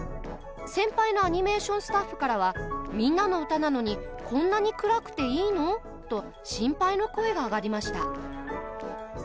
先輩のアニメーションスタッフからは「『みんなのうた』なのにこんなに暗くていいの？」と心配の声が上がりました。